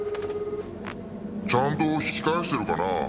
「ちゃんと引き返してるかなあ？」